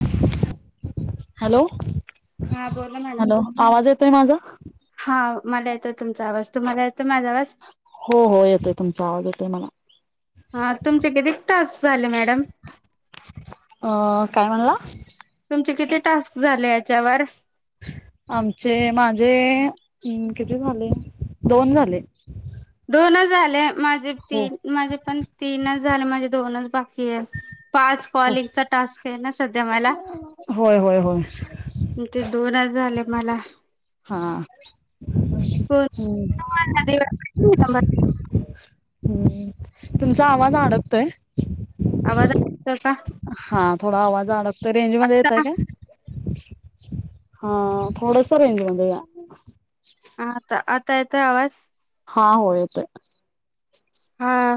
[unintelligible] Hello हा बोला madam. Hello आवाज येतोय माझा? हा मला येतं तुमचा आवाज. तुम्हाला येतोय? माझा आवाज हो हो येतोय तुमचा आवाज येतोय मला. हा तुमचे कधी तास झाले मॅडम? अ काय म्हणला? तुमचे किती टास्क झाले याच्यावर? आमचे माझे तिन किती झाले दोन झाले. दोनच झाले? माझे हो तीन माझे पण तीनच झाले माझे दोनच. पाच हो कॉलिंगचा टास्क आहे ना सध्या मला होय होय होय ते दोनच झाले. मला हा. हो. हम्म तुमचा आवाज अडकतोय. आवाज अडकतो का? हा थोडा आवाज अडकतो. तर रेंजमध्ये येतय का? हा थोडस रेंजमध्ये या. हा आता आता येतय आवाज हा होय येत. हा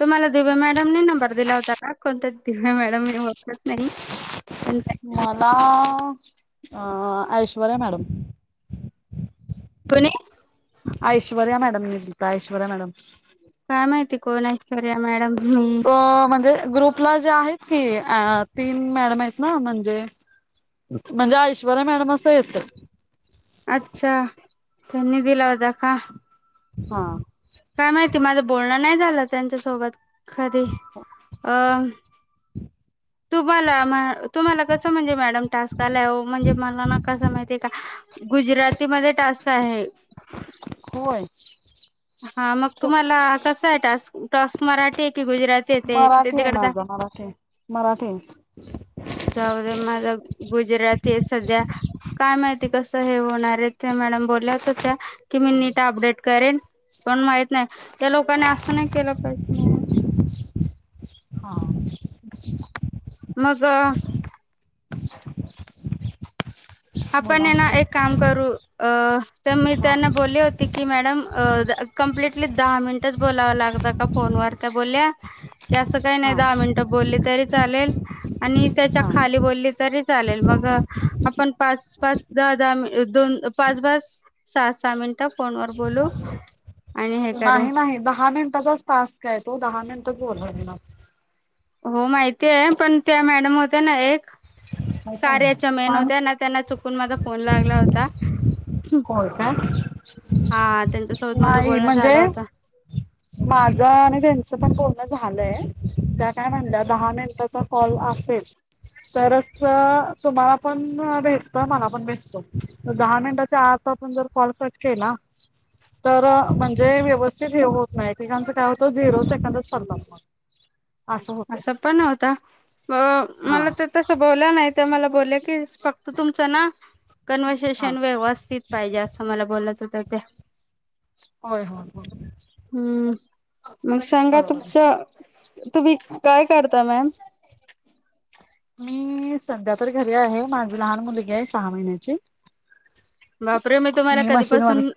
तुम्हाला दिव्या मॅडमने नंबर दिला होता का कोणत? नेहा मॅडम मी ओळखत नाही. पण मला ऐश्वर्या मॅडम. कोणी? ऐश्वर्या मॅडम नि दिलता ऐश्वर्या मॅडम. काय माहिती? कोण ऐश्वर्या मॅडम मी अ म्हणजे? ग्रुपला जे आहेत की तीन मॅडम आहेत ना म्हणजे म्हणजे ऐश्वर्या मॅडम असं येत. अच्छा. त्यांनी दिला होता का? हा [unintelligible] काय माहिती माझं बोलणं नाही झालं त्यांच्यासोबत कधी अं तुम्हाला मॅ तुमला कसं म्हणजे मॅडम टास्क आलाय ओ म्हणजे मला ना कस माहितीय का गुजराती मध्ये टास्क आहे. होय! हा मग तो तुम्हाला कस टास्क मराठी आहे की गुजराती? येते ते ते मराठी आहे, तिकडे माझा मराठी मराठी आहे. जाऊदे माझ गुजराती सध्या काय माहिती कसं हे होणार! मॅडम बोल्या होत त्या की मी नीट अपडेट करेन, पण माहित नाही या लोकांनी असं नाही केलं पाहिजे. हम हा. मग बोला आपण ये ना एक काम करू अं तर मी हा त्यांना बोलली होती की मॅडम अ कंप्लिटली दहा मिनिटच बोलावं लागतं का फोनवर त्या बोलल्या की असं काही नाही हा दहा मिनटं बोल तरी चालेल, आणि त्याच्या हा खाली बोललं तरी चालेल मग आपण पाच पाच दहा दहा दोन पाच पाच सहा सहा मिनिटं फोनवर बोलू आणि हे करू नाही नाही दहा मिनट चा टास्क हाय तो दहा मिनिटच बोलू हो माहिती आहे. पण त्या मॅडम होत्या ना एक कार्याच्या मेन पण होत्या ना त्यांना चुकून माझा फोन लागला होता. होय काय, हा त्यांच्यासोबत माझं नाही बोलणं म्हणजे झालं होत माझ आणि त्यांच पण बो बोलणं झालय त्या काय म्हणल्या दहा मिनिटाचा काॅल असेल तरच तुमाला पण भेटतो आणि मला पण भेटतो मग दहा मिनिटं च्या आता आपण जर कॉल कट केला तर म्हणजे व्यवस्थित हे होत नाही एककांचं काय होतं झिरो सेकंडच पडतात मग. असं पण होता हा मला तर तस बोल्या नाहीत! ते मला बोलले की फक्त तुमचं ना हा कन्वेसेशन व्यवस्थित पाहिजे असं मला बोलत होत्यात. [inaudible] होय होय होय हम्म मग सांगा बरोबर आहे तुमच्या तुम्ही काय करता मॅम? मी सध्या तर घरी आहे. मला लहान मुलगी आहे सहा महिन्यांची. बापरे मी तुम्हाला कधीपासून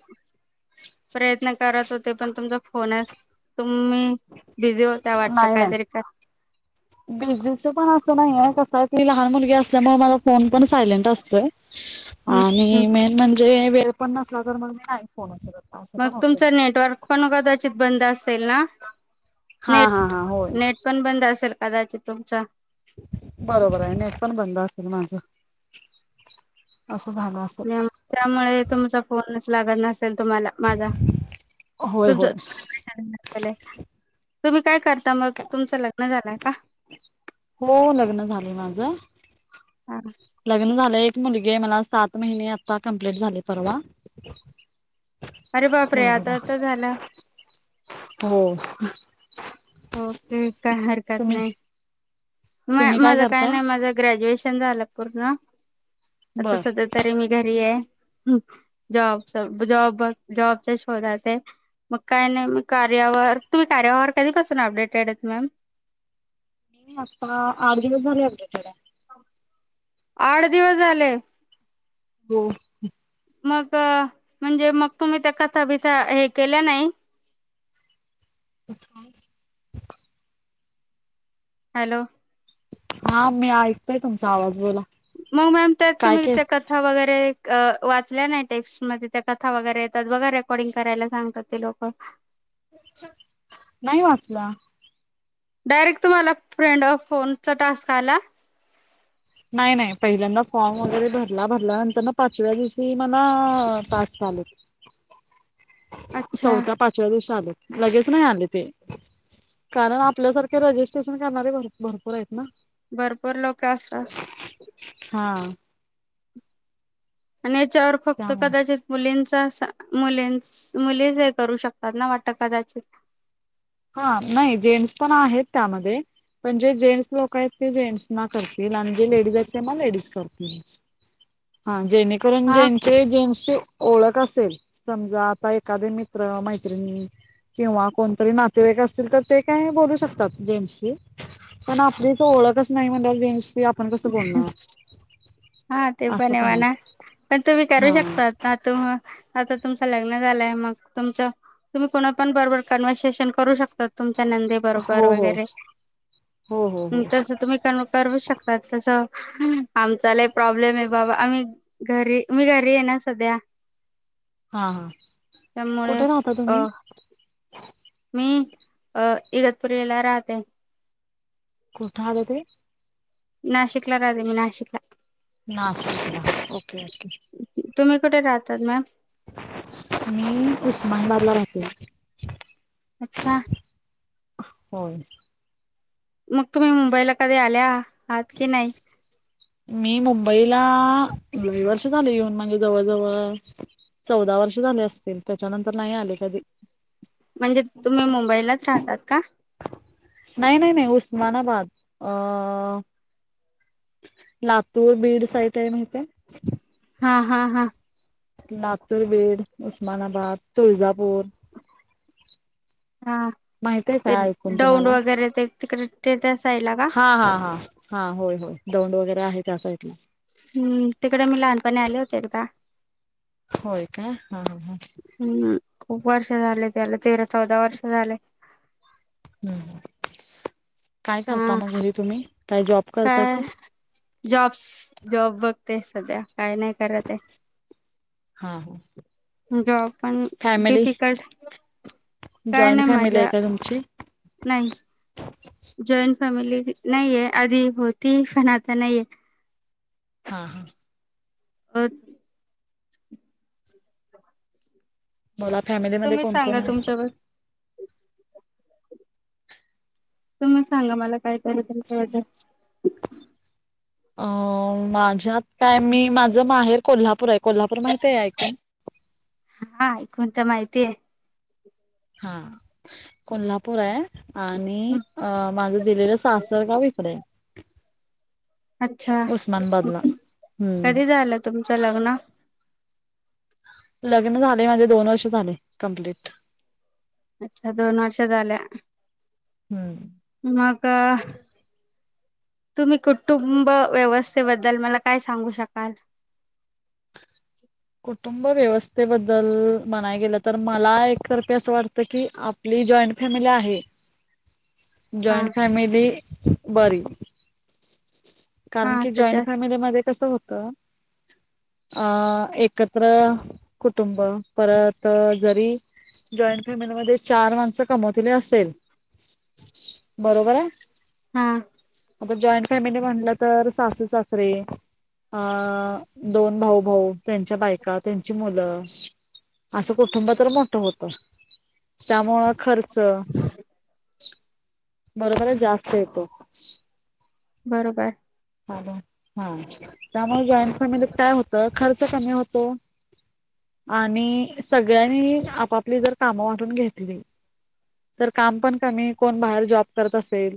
प्रयत्न करत होते पण तुमचा फोनच तुम्ही बिझी होता वाटत नाही नाही काहीतरी का बिजीच पण असं नाही आहे कस सली लहान मुलगी असल्या मुळे मला फोन पण सायलेंट असतोय हम्म हम्म आणि मेन म्हण म्हणजे वेळ पण नसला तर मग मी नाही फोन असं मग पण होतंय. तुमचं नेटवर्क पण कदाचित बंद अस सेल ना? हा हा नेट हा होय. नेट पण बंद असेल. कदाचित तुमचं बरोबर आहे नेट पण बंद असेल माझ अस त्यामुळे तुमचा फोन लागना. तुम्हाला माझा होय होय. [unintelligible] तुला तुम्ही काय कर मग तुमचं लग्न झालंय का? हो लग्न झाले माझं. हां लग्न झालं एक मुलगी आहे मला सात महिने आता कंप्लीट झाले परवा. अरे बाप रे मुलगीला. आता आता झालं. हो के काय हरकत तुम्ही नाही तुम्ही माझ काय करताय? नाही माझ ग्रॅज्युएशन झालं पूर्ण आता बर. सध्या तरी मी घरी आहे. जॉबच जॉब जॉबचा शोधात आहे ते मग काही नाही कार्यावर कार्यावर कधीपासून अप्टडेट आहेत मॅम आता आठ दिवस झाले आपल्याकडे आठ दिवस झाले. हो मग म्हणजे मग तुम्ही त्या कथा बिथा हे केल्या नाही. [unintelligible] हॅलो हा मी ऐकतोय तुमचा आवाज बोला. मग मॅम त्यात काय तुम्ही केस त्या कथा वगैरे वाचल्या नाही टेक्स्ट मध्ये त्या कथा वगैरे येतात वगैरे रेकॉर्डिंग करायला सांगतात ते लोक नाही वाचल्या डायरेक्ट तुम्हाला फ्रेंड आ फोनचा टास्क आला नाही नाही पहिल्यांदा फॉर्म वगैरे भरला भरल्यानंतर ना पाचव्या दिवशी मला पास झाले अच्छा चौथ्या पाचव्या दिवशी आलं लगेच नाही आले ते, कारण आपल्यासारखे रजिस्ट्रेशन करणारे भरपूर आहेत ना. भरपूर लोक असतात. हां [unintelligible] चार फक्त कदाचित मुलीं [unintelligible] [unintelligible] मुलेच हे करू शकतात ना वाटत कदाचित. हां, नाही जेंट्स पण आहेत, त्यामध्ये पण जे जेंट्स लोक आहेत ते जेंट्स ना करतील आणि जे लेडीज आहेत त्यांना लेडीज करतील. [unintelligible] जेणेकरून हा जेंट्सचे जेन्स ओळख असेल समजा, आता एखादे मित्र मैत्रिणी किंवा कोणतं [unintelligible] वाईक असतील तर ते काय बोलू शकतात जेंट्शी पण आपलीच ओळखच नाही म्हणल्याव [unintelligible] [unintelligible] हा, ते पण असं हे म्हणा आहे पण तुम्ही हा करू शकतात ना [unintelligible] तुमचं लग्न झालंय मग तुमचं, तुम्ही कोणा पण बरोबर कन्वसेशन करू शकता. तुमच्या नंदे बरोबर हो हो वगैरे तस हो हो हो [unintelligible] शकता. [unintelligible] आमचा लय प्रॉब्लेम आहे बाबा आम्ही घरी, मी घरी आहे ना सध्या. हां, हा त्यामुळे कुठे राहता तुम्ही? अ [inaudible] अ इगतपुरीला राहते. कुठे आलं ते? नाशिकला राहते मी नाशिकला. ना स ना ओके [unintelligible] तुम्ही कुठे राहतात मॅम. मी उस्मानबादला राहते. अच्छा. हो. मग तुम्ही मुंबईला कधी आल्या. की नाही? मी मुंबई. तिला लय वर्ष झाले येऊन, म्हजे जवळ जवळ चौदा वर्ष झाले असतील, त्याच्यानंतर नाही आले कधी. म्हणजे तुम्ही मुंबईलाच राहतात का. नाही नाही नाही उस्मानाबाद अ. लातूर बीड साईड आहे माहिते? हा हा हा. लातूरबीड, उस्मानाबाद, तुळजापूर, हा माहित आहे ते का ऐकून डौंड तुम्हाला वगैरे ते तिकडे? ते ते तेच. हा हा हा. हा होय. दौंड वगैरे आहे. त्या साइडला. हम्म -तिकडे मी, लहानपणी आले होते एकदा. होय का? हा ह. हम्म खूप वर्ष झाले त्याला, तेरा चौदा वर्ष झाले. हम्म. काय करता हा मग घरी तुम्ही? काय जॉब करता की- जॉबस, जॉब बघतेय सध्या. काय नाही करत आहे. हा. जॉब पण फॅमिली डिफिकल्ट, काय जॉईंट नाही फॅमिली मजा आहे का तुमची नाही जॉईन- फॅमिली नाहीेए आधी होती, पण आता नाहीेए. हा. बत- मला फॅमिलीमध्ये तुम्ही कोण कोण सांगा आहे? तुमच्याबद्दल तुम्ही सांगा मला काहीतरी तुमच्याबद्दल. अ माझ्यात- काय मी, माझं माहेर कोल्हापूर आहे. कोल्हापूर माहित आहे ऐकून? तिये. हा. कोल्हापूर आहे. आणि अ -माझं दिलेलं सासरगाव इकडेए. अच्छा, उस्मानाबादला हम्म कधी झालं तुमचं लग्न? लग्न झाले माझे दोन वर्ष झाले. कंप्लीट. अच्छा, दोन वर्ष झाल्या. हम्म. मग- तुम्ही कुटुंब व्यवस्थेबद्दल मला काय सांगू शकाल? कुटुंब व्यवस्थेबद्दल म्हणाय गेलं तर, मला एकत असं वाटत की आपली जॉईंट फॅमिली आहे. हा जॉईंट फॅमेली- बरी. कारण हा की जॉईंट त्याच्यात फॅमिलीमध्ये कसं होत? अ- एक- कत्र कुटुंब. परत जरी जॉईंट फॅमिलीमध्ये चार माणसं कमवती बी असेल, बरोबर आहे. हम्. आपण जॉईंट फॅमिली म्हटलं तर, सासू सासरे, अं- दोन भाऊ भाऊ त्यां- च्या बायका, त्यांची मुलं- असं कुटुंब तर मोठं होत. त्यामुळं खर्च- बरोबरए जास्त येतो. बरोबर. ह हा हं त्यामुळे जॉईन - फॅमिलीत काय होत खर्च कमी होतो आणि सगळ्यांनी आपापली जर काम वाटून घेतली तर काम पण कमी कोण बाहेर जॉब करत असेल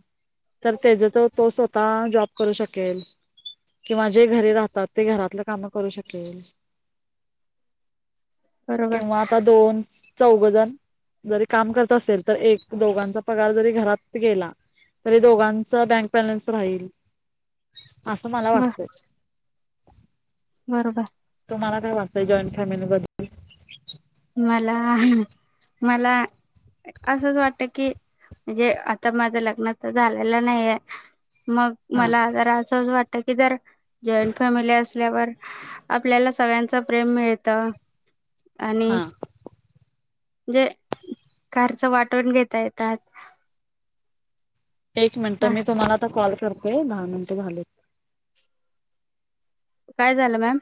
तर तेच तो स्वतः जॉब करू शक- केल किंवा जे घरी राहतात ते घरातलं काम करू शकेल. बरोबर किंवा आता दोन चौघ जण जरी काम करत असेल तर एक दोघांचा पगार जरी घरात गेला तरी दोघांचा बँक बॅलन्स राहील. असं मला ब वाटतंय बरोबर तुम्हाला काय वाटतंय जॉईंट फॅमिली बद्दल? मला मला असंच वाटत कि म्हणजे आता माझं लग्न तर झालेलं नाहीये. मग हा मला आजार असं वाटत. की जर जॉईंट फॅमिली अस असल्यावर आपल्याला सगळ्यांच प्रेम मिळत. हा जे खर्चं वाटून घेता येतात. एक मिनिटं हा मी तुम्हाला आता कॉल करतो. हे दहा मिनिटे झालेत. काय झालं मॅम?